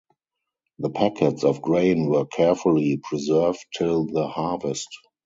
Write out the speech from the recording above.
The packets of grain were carefully preserved till the harvest.